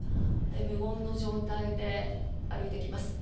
無言の状態で歩いてきます。